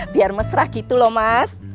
biar mesra gitu loh mas